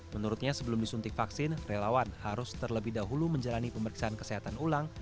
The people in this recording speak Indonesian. menurutnya sebelum disuntik vaksin relawan harus terlebih dahulu menjalani pemeriksaan kesehatan ulang